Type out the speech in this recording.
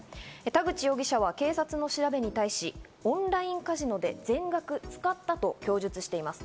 田口容疑者は警察の調べに対し、オンラインカジノで全額使ったと供述しています。